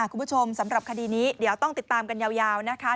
สำหรับคดีนี้เดี๋ยวต้องติดตามกันยาวนะคะ